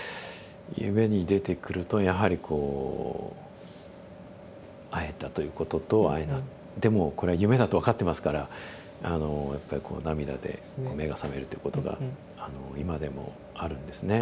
夢に出てくるとやはりこう会えたということと会えなでも「これは夢だ」と分かってますからやっぱりこう涙で目が覚めるってことが今でもあるんですね。